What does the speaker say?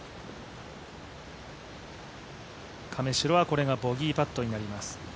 亀代はこれがボギーパットになります。